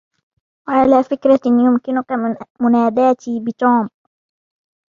وعلى فكرة، يمكنك مناداتي بِ”توم“.